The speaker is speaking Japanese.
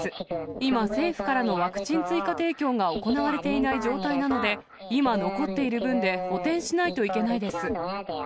今、政府からのワクチン追加提供が行われていない状態なので、今残っている分で補填しないといけないです。